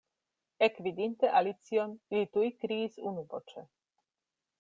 Ekvidinte Alicion, ili tuj kriis unuvoĉe.